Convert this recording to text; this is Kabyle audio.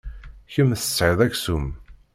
Kemm tesɛid aksum.